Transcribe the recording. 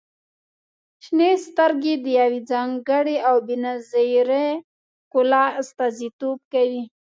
• شنې سترګې د يوې ځانګړې او بې نظیرې ښکلا استازیتوب کوي.